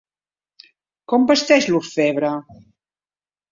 Com vesteix l'orfebre?